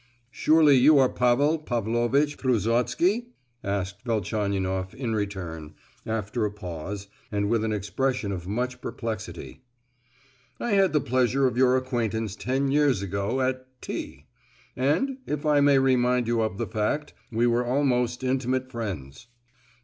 "Surely you are Pavel Pavlovitch Trusotsky?" asked Velchaninoff, in return, after a pause, and with an expression of much perplexity. "I had the pleasure of your acquaintance ten years ago at T——, and, if I may remind you of the fact, we were almost intimate friends."